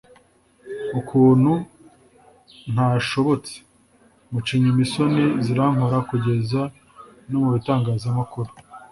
ukuntu ntashobotse muca inyuma isoni zirankora kugeza no mu bitangazamakuru